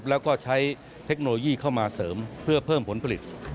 แล้วก็ใช้เทคโนโลยีเข้ามาเสริมเพื่อเพิ่มผลผลิต